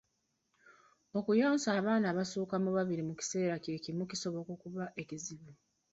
Okuyonsa abaana abasukka mu babiri mu kiseera kye kimu kisobola okuba ekizibu.